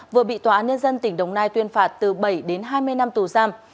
vừa bị tòa án nhân dân tỉnh đồng nai tuyên phạt từ bảy đến hai mươi năm tù giam